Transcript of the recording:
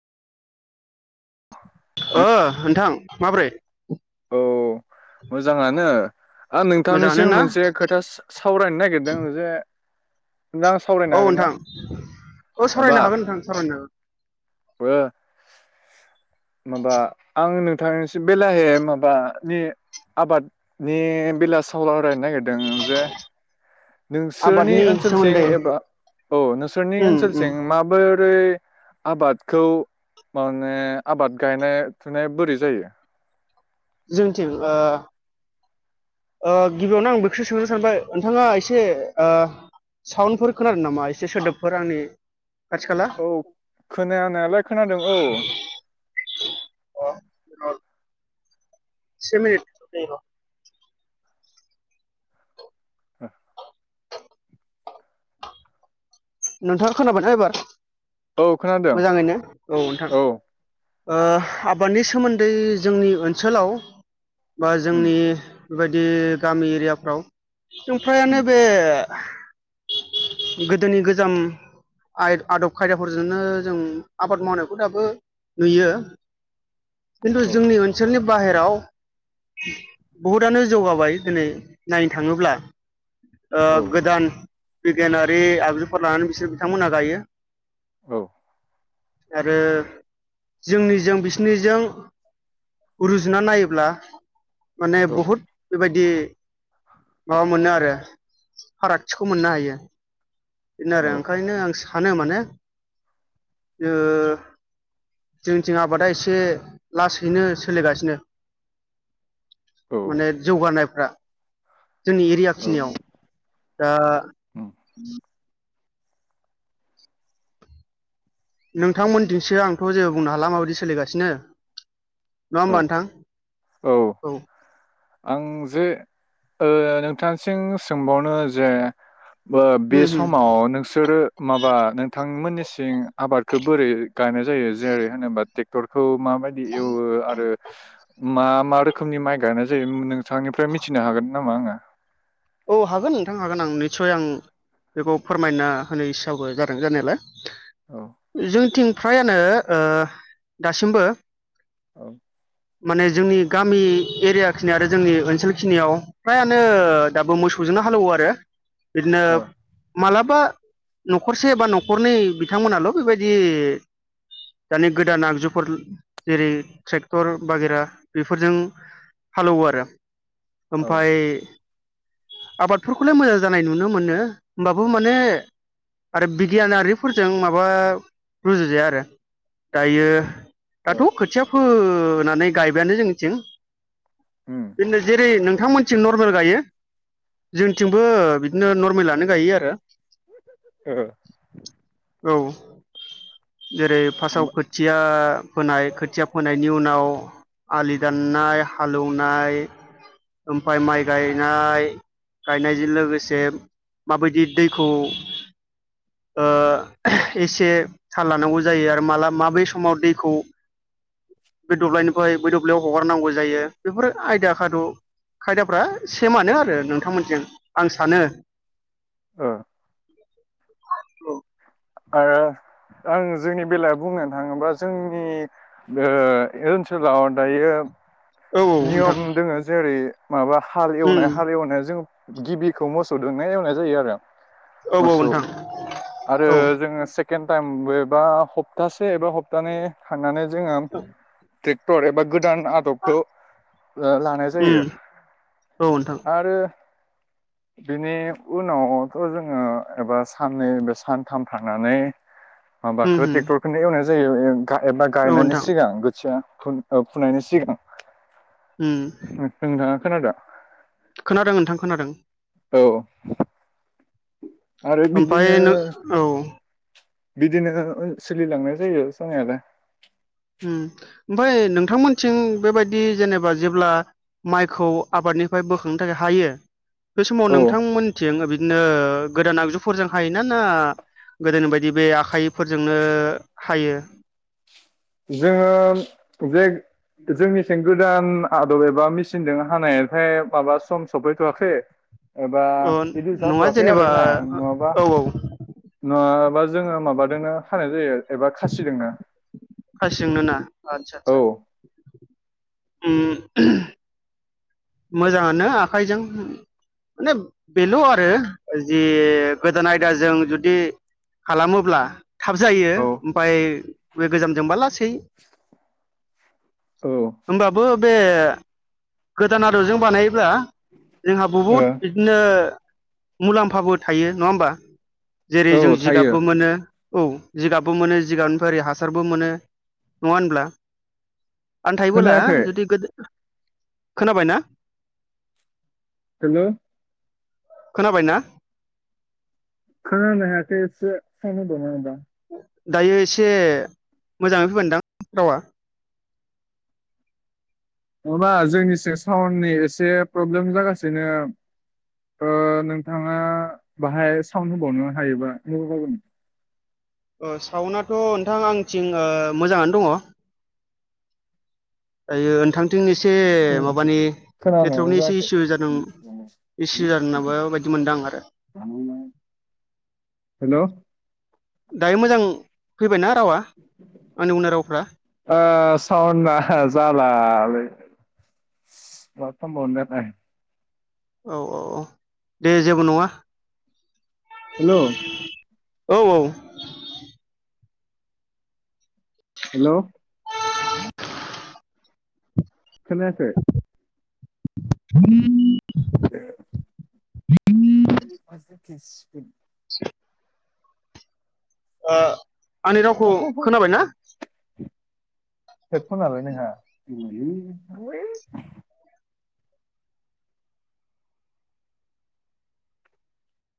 ओ औ नोंथां माब्रै मोजांङानो आं मोजाङानो नोंथांनिसिम ना मोनसे खोथा सा-सावरायनो नागिरदों जे नों आं सावरायनो औ हागोन ना नोंथां ओ माबा सरायनो हागोन नोंथां सावरायनो हागोन ओ माबा आंनो नोंथांनिसिम बेलाहे माबानि आबादनि बेला सावलरायनो नागिर दों जे नोंसोरनि आबादनि ओनसोलथिं सोमोन्दै एबा औ नोंसोरनि उम उम ओनसोलथिं माबोर ओरै आबादखौ माने आबाद गायनाय थुनाय बोरै जायो? जोंनिथिं ओ ओ गिबियावनो आं बेखौसो सोंनो सानबाय नोंथाङा एसे ओ साउन्डफोर खोनादों नामा एसे सोदोबफोर आंनि खाथि खाला औ खोनानायालाय खोनादों औ। सेमिनिट उं र। हा नोंथां खोनाबायना एबार? औ खोनादों मोजाङैनो नोंथां औ। ओ आबादनि सोमोन्दै जोंनि ओनसोलाव बा उम जोंनि बेबायदि गामि एरियाफ्राव जों उम। फ्रायानो बे गोदोनि गोज जाम आय आदब खायदाफोरजोंनो जों आबाद मावनायखौ दाबो नुयो। खिन्थु औ जोंनि ओनसोलनि बाहेराव बहुदआनो जौगाबाय दिनै नायनो थाङोब्ला ओ औ गोदान बिगियानारि आगजु फोर लानानै बिसोर बिथांमोना गायो। औ। आरो जोंनिजों बिसिनिजों रुजुना नायोब्ला माने औ बहुत बेबायदि माबा मोनो आरो फारागथिखौ मोननो हायो। बेनो आरो ओंखायनो आं सानो माने ओ जोंनिथिं आबादा एसे लासैनो सोलिगासिनो औ माने जौगानायफ्रा जोंनि एरिया औ खिनियाव दा उम, नोंथांमोनथिंनसो आंथ' जेबो बुंनो हाला माबायदि सोलिगासिनो? नङा होमबा औ नोंथां? औ। आं जे ओ नोंथांसिम सोंबावनो जे बो बे उम उम समाव नोंसोरो माबा नोंथांमोननि थिं आबादखौ बोरै गायनाय जायो जेरै होनोबा ट्रेक्टरखौ मा बायदि एवो आरो मा मा रोखोमनि माइ गाइनाय नोंथांनिफ्राय मिथिनो हागोन नामा आङो औ हागोन नोंथां हागोन आं निसय आं बेखौ फोरमायना होनो इसाबो जादों औ जानायालाय जोंनिथिं फ्रायानो ओ दासिमबो औ माने जोंनि गामि एरियाखिनि आरो जोंनि ओनसोलखिनियाव फ्रायानो दाबो मोसौजोंनो हालौवो आरो बिदिनो औ ओ माला बा न'खरसे बा न'खरनै बिथांमोनाल' बेबायदि दानि गोदान आगजुफोर जेरै ट्रेक्टर बागेरा बेफोरजों हालेवो आरो ओमफाय आबादफोरखौलाय मोजां जानाय नुनो मोनो होमबाबो माने आरो बिगियानारिफोरजों माबा रुजुजाया आरो दायो ओ दाथ' खोथियाफो नानै गायबायानो जोंनिथिं बेनो जेरै नों थांमोनथिं नरमेल गायो जोंथिंबो बिदिनो नरमेलानो गायो आरो औ जेरै उम फार्स्टआव खोथिया फोनाय खोथिया फोनायनि उनाव आलि दाननाय हालेवनाय ओमफ्राय माइ गाय नाय गायनायजों लोगोसे माबायदि दैखौ ओ एसे थाल लानांगौ जायो आरो माला माबे समाव दैखौ बे दब्लायनिफ्राय बै दब्लायाव हगारनांगौ जायो बेफोरो आयदा खाद' खायदाफ्रा सेमानो आरो नोंथांमोनजों आं सानो ओ औ ओ आं जोंनि बेलायाव बुंनो थाङोब्ला जोंनि ओ ओनसोलाव दायो औ नोंथां नियम दोङो जेरै माबा हाल एवनाय उम हाल एवनाय जों गिबिखौ मोसौजोंनाय एवनाय जायो आरो औ औ मोसौ नोंथां आरो औ उम जोङो सेकेन्ड टाइम एबा सप्तासे एबा हप्तानै थांनानै जोंहा [inaudible] ट्रेक्टर एबा गोदान आदबखौ ओ लानाय जायो औ नोंथां बेनि उनावथ' जोङो एबा सान नै बे सानथाम थानानै उम माबाखौ ट्रेक्टरखौनो एवनाय जायो [inaudible] गाय एबा औ गायनायनि नोंथां सिगां गोथिया औ फुनायनि सिगां उम म थोंदा [inaudible] खोनादों खोनादों नोंथां खोनादों औ आरो बिदिनो ओमफ्राय नों औ बिदिनो सोलिलांनाय जायो जानायालाय उम ओमफ्राय नोंथांमोननिथिं बेबायदि जेनेबा जेब्ला माइखौ आबादनिफ्राय बोखांनो थाखाय हायो बे समाव औ नोंथांमोनथिं बिदिनो गोदान आगजुफोरजों हायोना ना गोदोनि बायदि बे आखाइफोरजोंनो हायो जोङो जे जोंनिथिं गोदान आदब एबा मेचिनजों हानायफ्राय माबा सम सफैथ'वाखै एबा अ बिदि नङा जाथ'वाखै आरो जेनेबा ना नङाबा औ औ नङाबा जोङो माबादोंनो हानाय जायो एबा खासिजोंनो खासिजोंनो ना आतसा औ सा उम मोजाङानो आखाइजों माने बेल' आरो जि गोदान आयदाजों जुदि खालामोब्ला थाब जायो औ ओमफाय बे गोजामजोंबा लासै औ बो बे गोदान आदबजों बानायोला जोंहा बहुद बिदिनो मुलाम्फाबो थायो नङा होमबा जेरै औ जों थायो जिगाबबो मोनो औ जिगाबबो मोनो जिगाबनिफ्राय ओरै हासारबो मोनो नङा होनब्ला आन्थायबोला खोनायाखै जुदि गोदो खोनाबाय ना हेल' खोनाबाय ना [unintelligible] दायो एसे मोजाङै फैगोनदां रावा। नङाबा जोंनि सि साउन्डनि एसे प्रब्लेम जागासिनो ओ नोंथाङा बाहाय साउन्ड होबावनो हायोबा साउन्डथ' नोंथां आंथिं ओ मोजाङानो दङ'। [unintelligible] से माबानि खोनानायानो नेटरकनि एसे जायाखै इसु जादों इसु जादों नाबा बायदि मोनदों आं आरो। हेल' ओ फैबाय ना? ओ सावना जाला लै। [unintelligible] औ औ औ दे जेबो नङा। हेलौ। औ औ। हेलौ। खोनायाखै? [inaudible] [inaudible] [inaudible] [unintelligible] ओ आंनि रावखौ खोनाबाय ना? हेदफनालाय नोंहा?